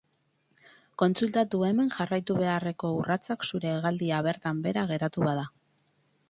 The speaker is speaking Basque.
Kontsultatu hemen jarraitu beharreko urratsak zure hegaldia bertan behera geratu bada.